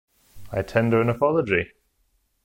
I tender an apology.